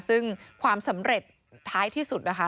ซึ่งความสำเร็จท้ายที่สุดนะคะ